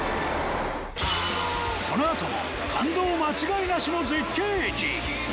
このあとも感動間違いなしの絶景駅！